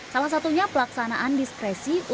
salah satunya pelaksanaan diskresi